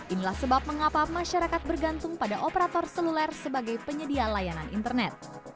inilah sebab mengapa masyarakat bergantung pada operator seluler sebagai penyedia layanan internet